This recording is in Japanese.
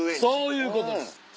そういうことです！